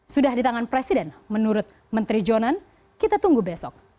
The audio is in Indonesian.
sudah di tangan presiden menurut menteri jonan kita tunggu besok